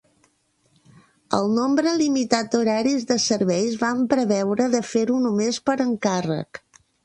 El nombre limitat d'horaris de serveis van preveure de fer-ho només per encàrrec.